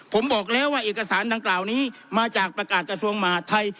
ผมบอกแล้วว่าเอกสารดังกล่าวนี้มาจากประกาศกระทรวงมหาดไทย